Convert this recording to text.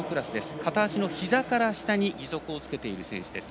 片足のひざから下に義足をつけている選手です。